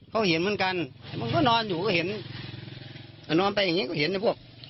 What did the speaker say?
เขาเห็นเหมือนกันมันก็นอนอยู่ก็เห็นนอนไปอย่างนี้ก็เห็นแต่พวก